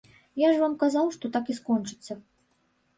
Я ж вам казаў, што так і скончыцца.